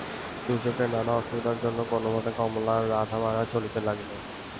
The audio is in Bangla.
দুর্যোগের নানা অসুবিধার মধ্যে কোনোমতে কমলার রাঁধাবাড়া চলিতে লাগিল।